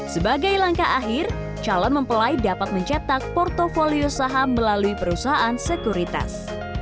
sebagai langkah akhir calon mempelai dapat mencetak portfolio saham melalui perusahaan sekuritas